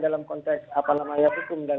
dalam konteks apa namanya ayat hukum dan